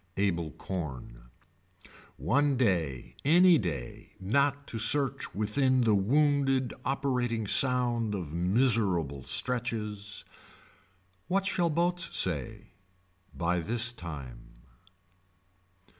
Able corn. One day any day not to search within the wounded operating sound of miserable stretches. What shall boats say. By this time.